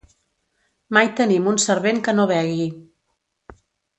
Mai tenim un servent que no begui.